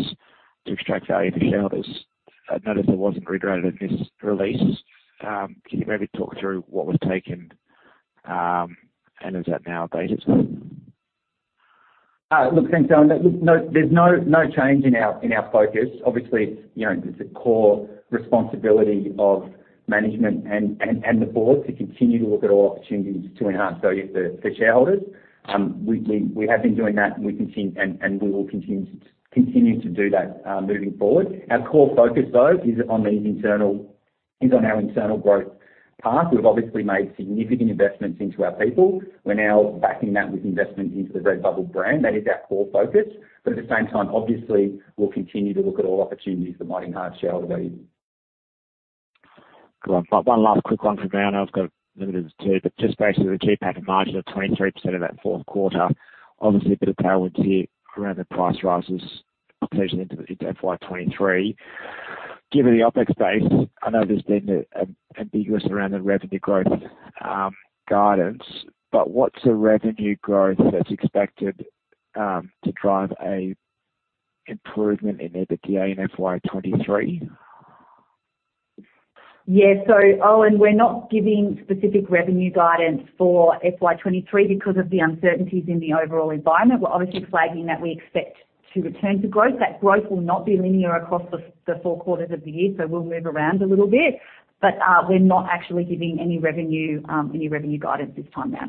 to extract value for shareholders. I noticed that wasn't reiterated in this release. Can you maybe talk through what was taken, and is that now dated? Look, thanks, Owen. There's no change in our focus. Obviously, it's, you know, it's a core responsibility of management and the board to continue to look at all opportunities to enhance value for shareholders. We have been doing that, and we will continue to do that moving forward. Our core focus, though, is on our internal growth path. We've obviously made significant investments into our people. We're now backing that with investment into the Redbubble brand. That is our core focus. At the same time, obviously, we'll continue to look at all opportunities that might enhance shareholder value. Cool. One last quick one for now. I know I've got limited to two, but just based on the GPAPA margin of 23% of that fourth quarter, obviously a bit of tailwind here around the price rises potentially into FY 2023. Given the OpEx base, I know there's been ambiguous around the revenue growth guidance, but what's the revenue growth that's expected to drive a improvement in EBITDA in FY 2023? Yeah. Owen, we're not giving specific revenue guidance for FY 2023 because of the uncertainties in the overall environment. We're obviously flagging that we expect to return to growth. That growth will not be linear across the four quarters of the year, so we'll move around a little bit. We're not actually giving any revenue guidance this time now.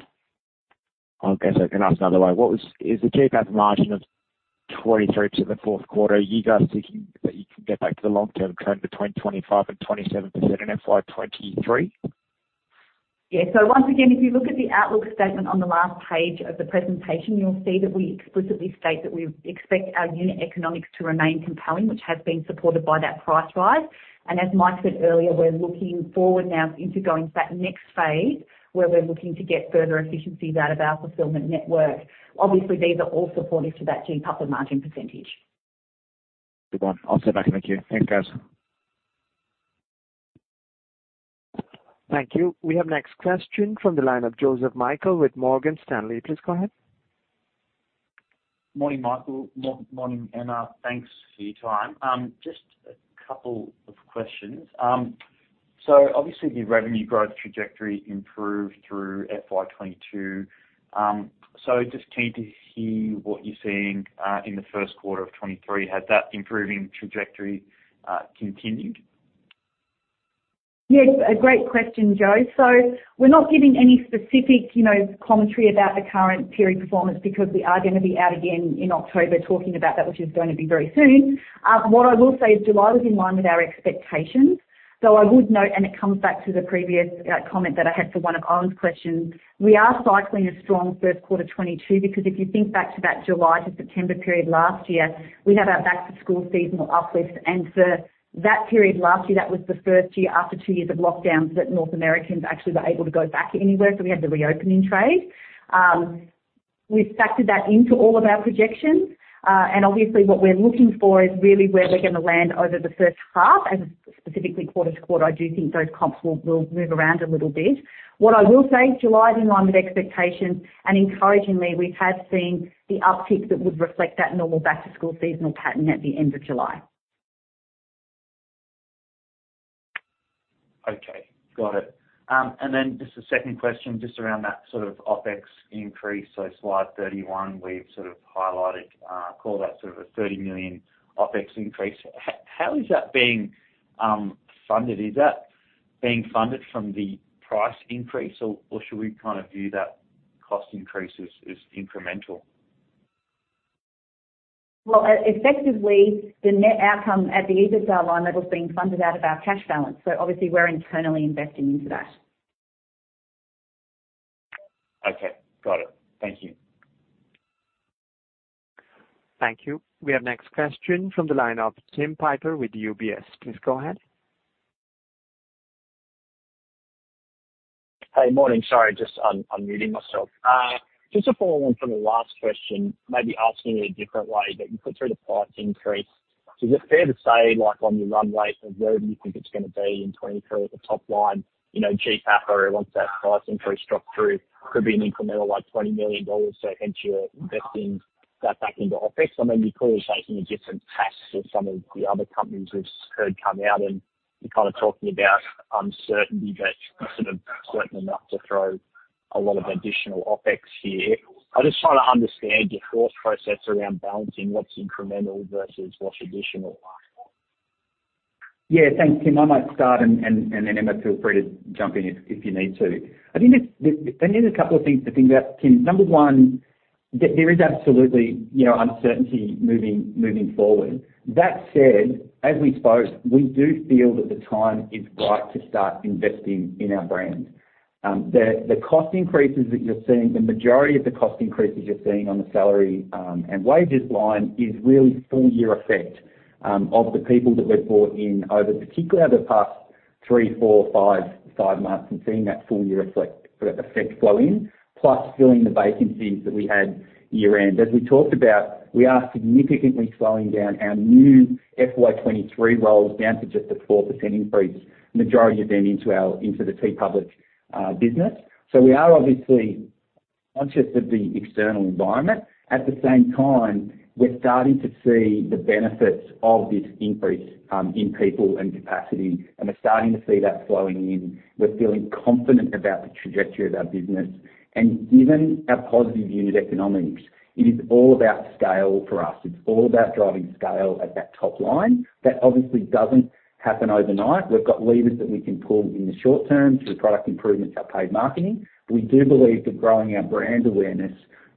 Can I ask another way? What is the GPAPA margin of 23% the fourth quarter, you guys thinking that you can get back to the long term trend between 25% and 27% in FY 2023? Yeah. Once again, if you look at the outlook statement on the last page of the presentation, you'll see that we explicitly state that we expect our unit economics to remain compelling, which has been supported by that price rise. As Mike said earlier, we're looking forward now into going to that next phase where we're looking to get further efficiencies out of our fulfillment network. Obviously, these are all supportive to that GPAPA margin percentage. Good one. I'll step back. Thank you. Thanks, guys. Thank you. We have next question from the line of Joseph Michael with Morgan Stanley. Please go ahead. Morning, Michael. Morning, Emma. Thanks for your time. Just a couple of questions. Obviously the revenue growth trajectory improved through FY 2022. Just keen to hear what you're seeing in the first quarter of 2023. Has that improving trajectory continued? Yes, a great question, Joe. We're not giving any specific, you know, commentary about the current period performance because we are gonna be out again in October talking about that, which is gonna be very soon. What I will say is July was in line with our expectations. I would note, and it comes back to the previous comment that I had for one of Owen's questions. We are cycling a strong first quarter 2022, because if you think back to that July to September period last year, we had our back-to-school seasonal uplift. For that period last year, that was the first year after two years of lockdowns that North Americans actually were able to go back anywhere. We had the reopening trade. We've factored that into all of our projections. Obviously what we're looking for is really where we're gonna land over the first half and specifically quarter-over-quarter, I do think those comps will move around a little bit. What I will say, July is in line with expectations, and encouragingly, we have seen the uptick that would reflect that normal back-to-school seasonal pattern at the end of July. Okay. Got it. Just a second question just around that sort of OpEx increase. Slide 31, we've sort of highlighted, call that sort of a 30 million OpEx increase. How is that being funded? Is that being funded from the price increase or should we kinda view that cost increase as incremental? Well, effectively, the net outcome at the EBITDA line level is being funded out of our cash balance, so obviously we're internally investing into that. Okay. Got it. Thank you. Thank you. We have next question from the line of Tim Piper with UBS. Please go ahead. Hey, morning. Sorry, just unmuting myself. Just to follow on from the last question, maybe asking it a different way, but you put through the price increase. Is it fair to say, like, on your runway of where you think it's gonna be in 2023 at the top line, you know, GPAPA or once that price increase dropped through, could be an incremental like 20 million dollars, so hence you're investing that back into OpEx? I mean, you're clearly taking a different path to some of the other companies we've heard come out and kind of talking about uncertainty, but sort of certain enough to throw a lot of additional OpEx here. I'm just trying to understand your thought process around balancing what's incremental versus what's additional. Yeah. Thanks, Tim. I might start and then Emma, feel free to jump in if you need to. I think there's a couple of things to think about, Tim. Number one, there is absolutely, you know, uncertainty moving forward. That said, as we spoke, we do feel that the time is right to start investing in our brand. The cost increases that you're seeing, the majority of the cost increases you're seeing on the salary and wages line is really full year effect of the people that we've brought in particularly over the past three, four, five months and seeing that full year effect flow in, plus filling the vacancies that we had year end. As we talked about, we are significantly slowing down our new FY 2023 roles down to just a 4% increase, majority of them into the TeePublic business. We are obviously conscious of the external environment. At the same time, we're starting to see the benefits of this increase in people and capacity, and we're starting to see that flowing in. We're feeling confident about the trajectory of our business. Given our positive unit economics, it is all about scale for us. It's all about driving scale at that top line. That obviously doesn't happen overnight. We've got levers that we can pull in the short term through product improvements and paid marketing. We do believe that growing our brand awareness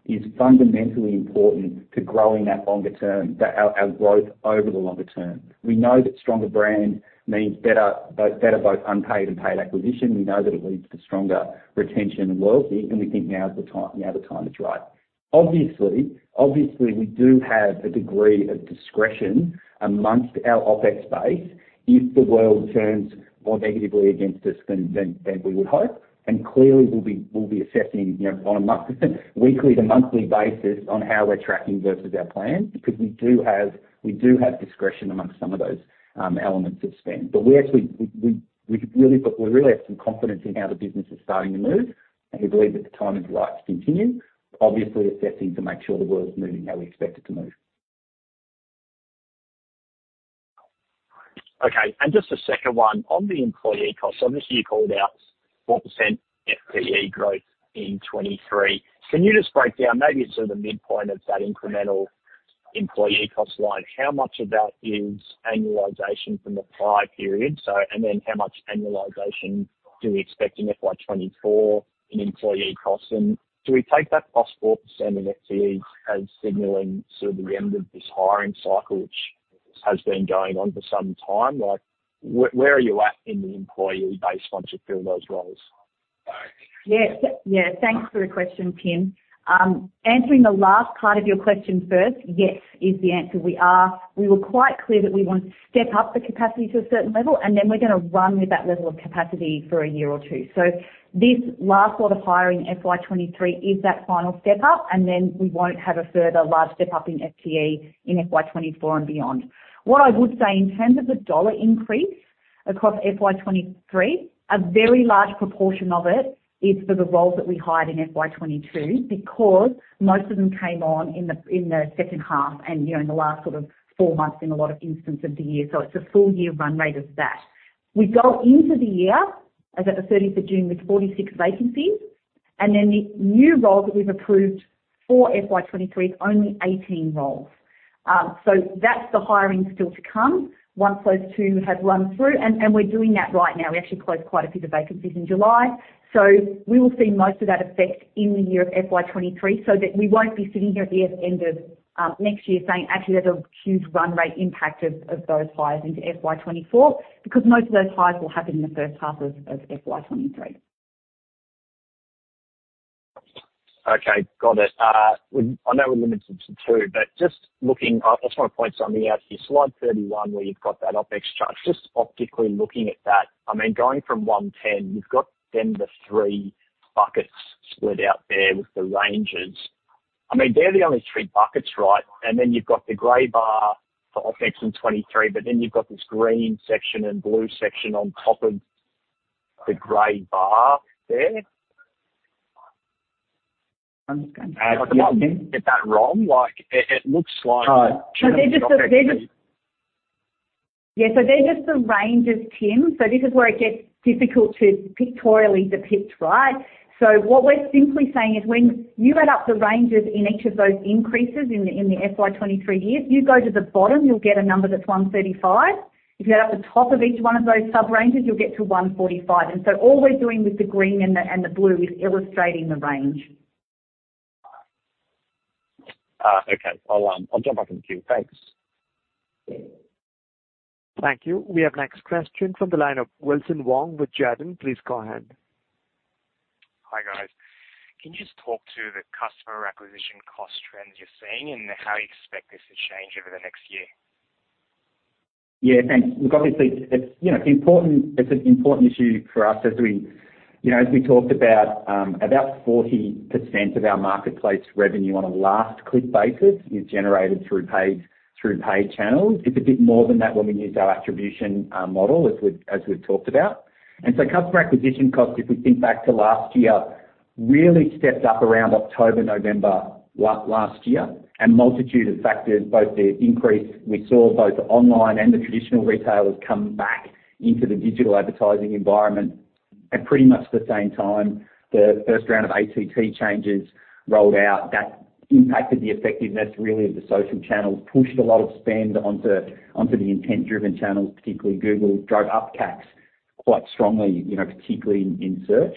is fundamentally important to growing that longer term, our growth over the longer term. We know that stronger brand means better both unpaid and paid acquisition. We know that it leads to stronger retention and loyalty, and we think now is the time, the time is right. Obviously, we do have a degree of discretion among our OpEx base if the world turns more negatively against us than we would hope. Clearly, we'll be assessing, you know, on a weekly to monthly basis on how we're tracking versus our plan because we do have discretion among some of those elements of spend. But we really have some confidence in how the business is starting to move, and we believe that the time is right to continue. Obviously, assessing to make sure the world is moving how we expect it to move. Okay. Just a second one. On the employee costs, obviously you called out 4% FTE growth in 2023. Can you just break down maybe sort of the midpoint of that incremental employee cost line? How much of that is annualization from the prior period? And then how much annualization do we expect in FY 2024 in employee costs? Do we take that plus 4% in FTE as signaling sort of the end of this hiring cycle, which has been going on for some time? Like, where are you at in the employee base once you fill those roles? Yes. Yeah. Thanks for the question, Tim. Answering the last part of your question first, yes is the answer. We were quite clear that we want to step up the capacity to a certain level, and then we're gonna run with that level of capacity for a year or two. This last lot of hiring FY 2023 is that final step up, and then we won't have a further large step up in FTE in FY 2024 and beyond. What I would say in terms of the AUD increase across FY 2023, a very large proportion of it is for the roles that we hired in FY 2022, because most of them came on in the second half and, you know, in the last sort of four months in a lot of instances of the year. It's a full year run rate of that. We go into the year as at the thirtieth of June with 46 vacancies. Then the new role that we've approved for FY 2023 is only 18 roles. That's the hiring still to come once those two have run through. And we're doing that right now. We actually closed quite a bit of vacancies in July. We will see most of that effect in the year of FY 2023, so that we won't be sitting here at the end of next year saying, "Actually, there's a huge run rate impact of those hires into FY 2024," because most of those hires will happen in the first half of FY 2023. Okay. Got it. I know we're limited to two, but just looking, I just wanna point something out to you. Slide 31, where you've got that OpEx chart. Just optically looking at that, I mean, going from 110, you've got then the three buckets split out there with the ranges. I mean, they're the only three buckets, right? Then you've got the gray bar for OpEx in 2023, but then you've got this green section and blue section on top of the gray bar there. I'm just gonna- Am I getting that wrong? Like, it looks like. No. They're just the ranges, Tim. This is where it gets difficult to pictorially depict, right? What we're simply saying is when you add up the ranges in each of those increases in the FY 2023 year, if you go to the bottom, you'll get a number that's 135. If you add up the top of each one of those sub-ranges, you'll get to 145. All we're doing with the green and the blue is illustrating the range. Okay. I'll jump back in the queue. Thanks. Thank you. We have next question from the line of Wilson Wong with Jarden. Please go ahead. Hi, guys. Can you just talk to the customer acquisition cost trends you're seeing and how you expect this to change over the next year? Yeah, thanks. Look, obviously, it's, you know, important—it's an important issue for us as we, you know, as we talked about 40% of our marketplace revenue on a last-click basis is generated through paid channels. It's a bit more than that when we use our attribution model, as we've talked about. Customer acquisition cost, if we think back to last year, really stepped up around October, November last year. Multitude of factors, both the increase we saw online and the traditional retailers come back into the digital advertising environment. At pretty much the same time, the first round of ATT changes rolled out. That impacted the effectiveness really of the social channels, pushed a lot of spend onto the intent-driven channels, particularly Google, drove up CPCs quite strongly, you know, particularly in search.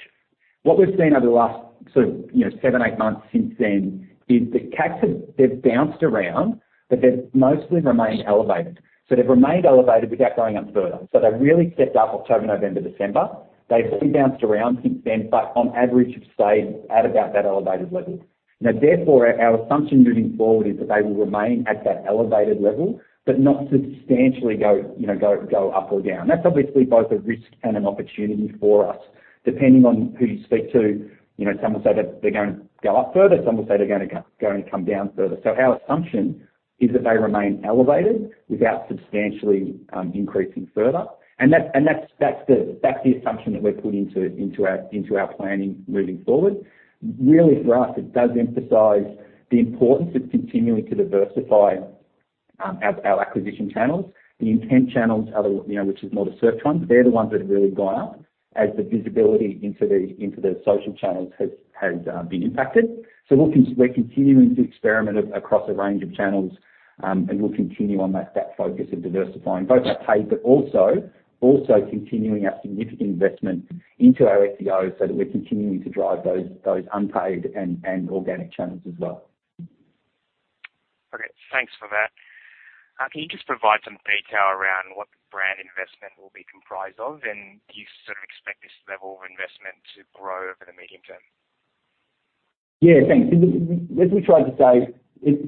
What we've seen over the last sort of, you know, 7, 8 months since then is that CPCs, they've bounced around, but they've mostly remained elevated. They've remained elevated without going up further. They really stepped up October, November, December. They've since bounced around since then, but on average have stayed at about that elevated level. Now, therefore, our assumption moving forward is that they will remain at that elevated level but not substantially go, you know, up or down. That's obviously both a risk and an opportunity for us. Depending on who you speak to, you know, some will say that they're gonna go up further, some will say they're gonna going to come down further. Our assumption is that they remain elevated without substantially increasing further. That's the assumption that we're putting into our planning moving forward. Really for us, it does emphasize the importance of continuing to diversify our acquisition channels. The intent channels are the, you know, which is more the search ones. They're the ones that have really gone up as the visibility into the social channels has been impacted. We're continuing to experiment across a range of channels, and we'll continue on that focus of diversifying both our paid, but also continuing our significant investment into our SEO so that we're continuing to drive those unpaid and organic channels as well. Okay. Thanks for that. Can you just provide some detail around what the brand investment will be comprised of, and do you sort of expect this level of investment to grow over the medium term? Yeah, thanks. As we tried to say, it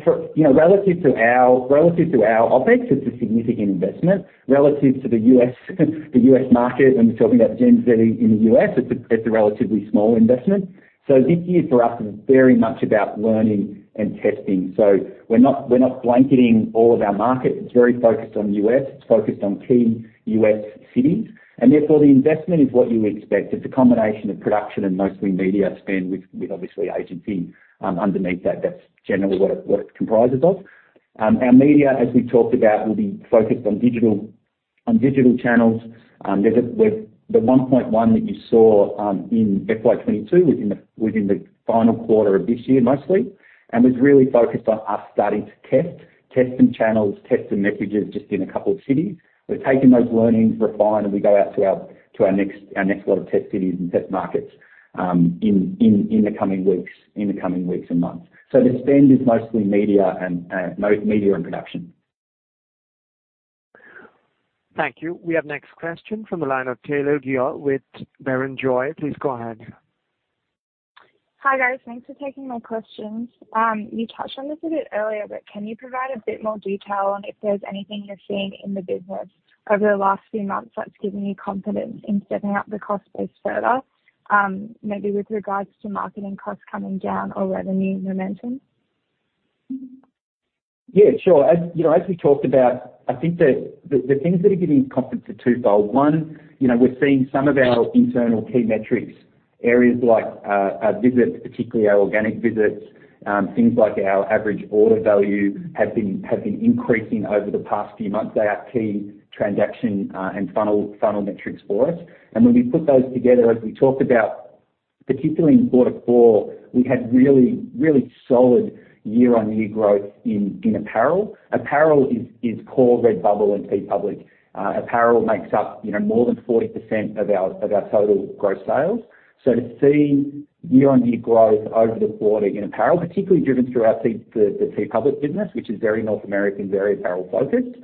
for, you know, relative to our OpEx, it's a significant investment. Relative to the U.S., the U.S. market, when we're talking about Gen Z in the U.S., it's a relatively small investment. This year for us is very much about learning and testing. We're not blanketing all of our market. It's very focused on U.S., it's focused on key U.S. cities, and therefore the investment is what you would expect. It's a combination of production and mostly media spend with obviously agency underneath that. That's generally what it comprises of. Our media, as we talked about, will be focused on digital channels. With the 1.1 that you saw in FY 2022 within the final quarter of this year mostly, and was really focused on us starting to test channels, testing messages just in a couple of cities. We're taking those learnings and we go out to our next lot of test cities and test markets in the coming weeks and months. So the spend is mostly media and production. Thank you. We have next question from the line of Taylor Gill with Barrenjoey. Please go ahead. Hi, guys. Thanks for taking my questions. You touched on this a bit earlier. Can you provide a bit more detail on if there's anything you're seeing in the business over the last few months that's given you confidence in stepping up the cost base further, maybe with regards to marketing costs coming down or revenue momentum? Yeah, sure. As you know, as we talked about, I think the things that are giving confidence are twofold. One, you know, we're seeing some of our internal key metrics, areas like our visits, particularly our organic visits, things like our average order value have been increasing over the past few months. They are key transaction and funnel metrics for us. When we put those together, as we talked about. Particularly in quarter four, we had really solid year-on-year growth in apparel. Apparel is core Redbubble and TeePublic. Apparel makes up more than 40% of our total gross sales. To see year-on-year growth over the quarter in apparel, particularly driven through our TeePublic business, which is very North American, very apparel-focused,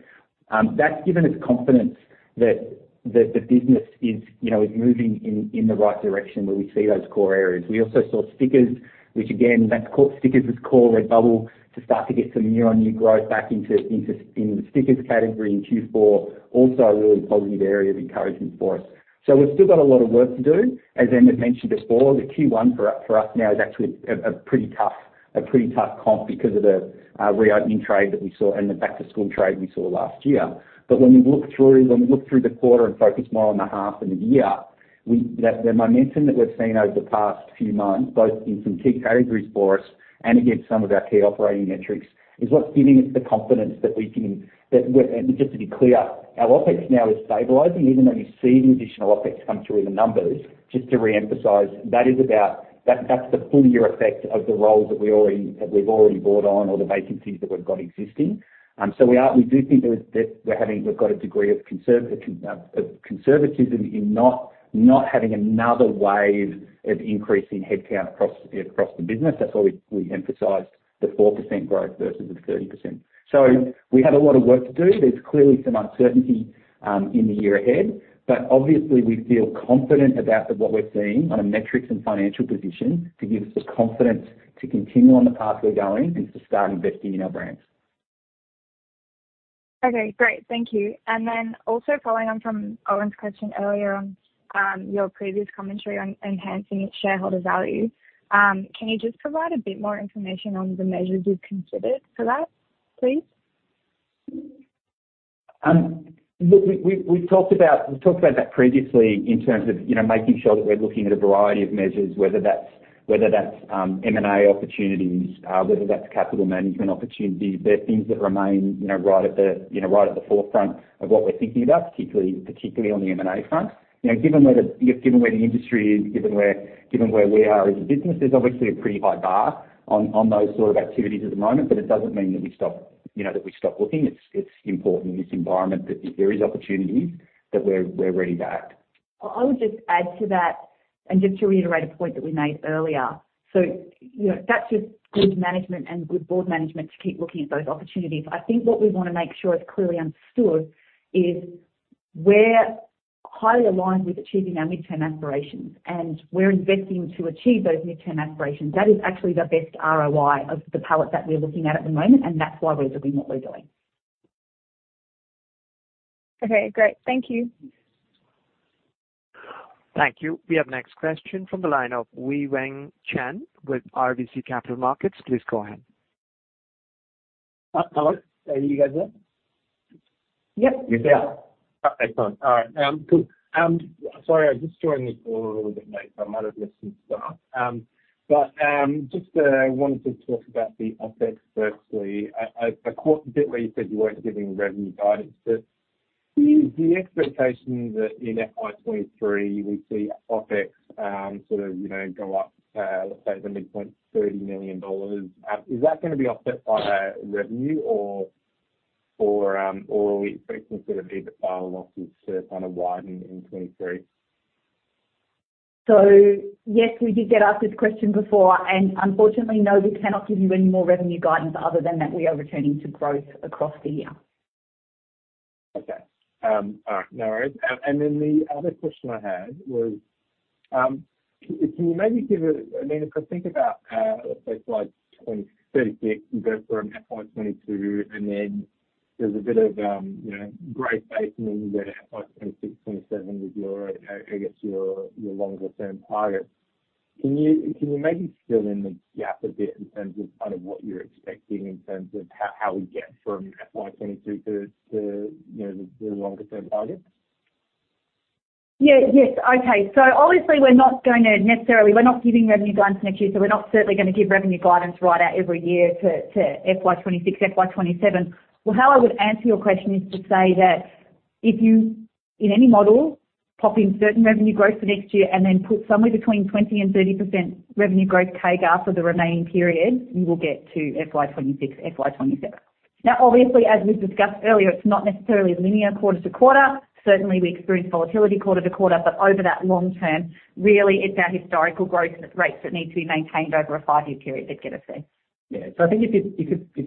that's given us confidence that the business is, you know, moving in the right direction where we see those core areas. We also saw stickers, which again, that's core stickers is core Redbubble, to start to get some year-on-year growth back into in the stickers category in Q4, also a really positive area of encouragement for us. We've still got a lot of work to do. As Emma mentioned before, the Q1 for us now is actually a pretty tough comp because of the reopening trade that we saw and the back-to-school trade we saw last year. When we look through the quarter and focus more on the half and the year, the momentum that we've seen over the past few months, both in some key categories for us and against some of our key operating metrics, is what's giving us the confidence that we can, that we're. Just to be clear, our OpEx now is stabilizing even though you're seeing additional OpEx come through in the numbers. Just to re-emphasize, that's the full year effect of the roles that we've already brought on or the vacancies that we've got existing. We do think that we're having a degree of conservatism in not having another wave of increasing headcount across the business. That's why we emphasized the 4% growth versus the 30%. We have a lot of work to do. There's clearly some uncertainty in the year ahead. Obviously we feel confident about what we're seeing on a metrics and financial position to give us the confidence to continue on the path we're going and to start investing in our brands. Okay, great. Thank you. Also following on from Owen's question earlier on, your previous commentary on enhancing its shareholder value, can you just provide a bit more information on the measures you've considered for that, please? Look, we've talked about that previously in terms of, you know, making sure that we're looking at a variety of measures, whether that's M&A opportunities, whether that's capital management opportunities. They're things that remain, you know, right at the forefront of what we're thinking about, particularly on the M&A front. You know, given where the industry is, given where we are as a business, there's obviously a pretty high bar on those sort of activities at the moment. But it doesn't mean that we stop looking. It's important in this environment that if there is opportunities, that we're ready to act. I would just add to that and just to reiterate a point that we made earlier. You know, that's just good management and good board management to keep looking at those opportunities. I think what we wanna make sure is clearly understood is we're highly aligned with achieving our midterm aspirations, and we're investing to achieve those midterm aspirations. That is actually the best ROI of the palette that we're looking at at the moment, and that's why we're doing what we're doing. Okay, great. Thank you. Thank you. We have next question from the line of Wei-Weng Chen with RBC Capital Markets. Please go ahead. Hello? Are you guys there? Yep. We're here. Oh, excellent. All right. Cool. Sorry, I just joined the call a little bit late. I might have missed the start. Just wanted to talk about the OpEx firstly. I caught the bit where you said you weren't giving revenue guidance, but is the expectation that in FY 2023 we see OpEx, sort of, you know, go up to, let's say the midpoint 30 million dollars, is that gonna be offset by, revenue or, are we expecting sort of EBITDA losses to kind of widen in 2023? Yes, we did get asked this question before, and unfortunately, no, we cannot give you any more revenue guidance other than that we are returning to growth across the year. Okay. All right. No worries. Then the other question I had was, can you maybe give a, I mean, if I think about, let's say slide 26, you go from FY 22 and then there's a bit of, you know, gray space and then you go to FY 26, 27 with your, I guess, longer term targets. Can you maybe fill in the gap a bit in terms of kind of what you're expecting in terms of how we get from FY 22 to, you know, the longer term targets? Yeah. Yes. Okay. Obviously we're not giving revenue guidance next year, so we're not certainly gonna give revenue guidance right out every year to FY 2026, FY 2027. Well, how I would answer your question is to say that if you, in any model, pop in certain revenue growth for next year and then put somewhere between 20% and 30% revenue growth CAGR for the remaining period, you will get to FY 2026, FY 2027. Now obviously, as we've discussed earlier, it's not necessarily linear quarter to quarter. Certainly we experience volatility quarter to quarter, but over that long term, really it's our historical growth rates that need to be maintained over a 5-year period that get us there. Yeah. I think if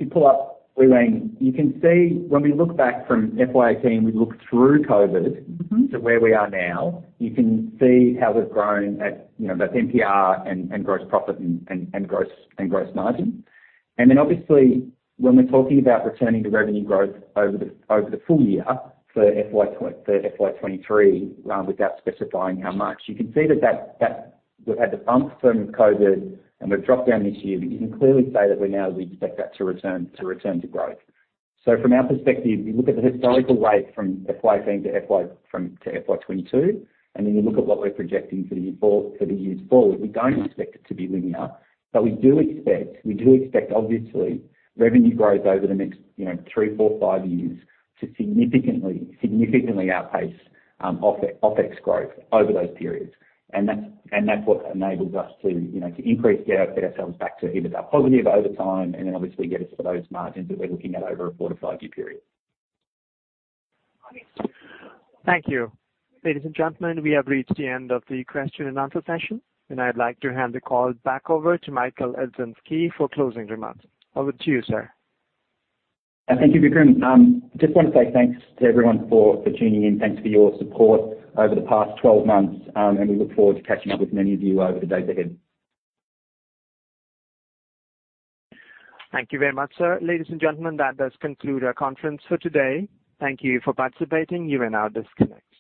you pull up Wei-Weng Chen, you can see when we look back from FY 18, we look through COVID. Mm-hmm. To where we are now, you can see how we've grown at, you know, both MPR and gross profit and gross margin. Then obviously when we're talking about returning to revenue growth over the full year for FY 23, without specifying how much, you can see that we've had the bumps from COVID and we've dropped down this year, but you can clearly see that we now expect that to return to growth. From our perspective, you look at the historical rate from FY 18 to FY 22, and then you look at what we're projecting for the years forward, we don't expect it to be linear. We do expect obviously revenue growth over the next, you know, 3, 4, 5 years to significantly outpace OpEx growth over those periods. That's what enables us to, you know, to increase, get ourselves back to EBITDA positive over time and then obviously get us to those margins that we're looking at over a 4- to 5-year period. Okay. Thank you. Ladies and gentlemen, we have reached the end of the question and answer session, and I'd like to hand the call back over to Michael Ilczynski for closing remarks. Over to you, sir. Thank you, Vikram. Just wanna say thanks to everyone for tuning in. Thanks for your support over the past 12 months. We look forward to catching up with many of you over the days ahead. Thank you very much, sir. Ladies and gentlemen, that does conclude our conference for today. Thank you for participating. You may now disconnect.